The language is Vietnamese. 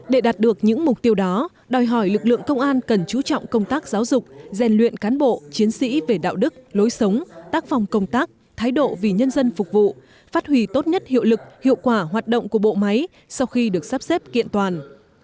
để đạt được những mục tiêu đó đòi hỏi lực lượng công an cần chú trọng công tác giáo dục rèn luyện cán bộ chiến sĩ về đạo đức lối sống tác phong công tác thái độ vì nhân dân phục vụ phát huy tốt nhất hiệu lực hiệu quả hoạt động của bộ máy sau khi được sắp xếp kiện toàn